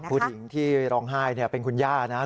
ผู้หญิงที่ร้องไห้เป็นคุณย่านะครับ